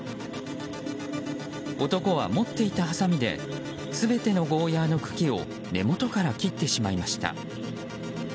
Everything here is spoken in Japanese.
男は持っていたはさみで全てのゴーヤーの茎を根元から切ってしまいました。